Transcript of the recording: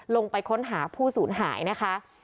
ลงไปค้นหาผู้สูญหายนะคะ